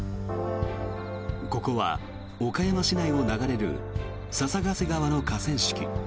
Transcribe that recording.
ここは岡山市内を流れる笹ヶ瀬川の河川敷。